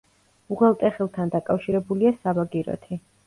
უღელტეხილთან დაკავშირებულია საბაგიროთი.